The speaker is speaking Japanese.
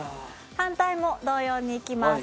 反対も同様にいきます。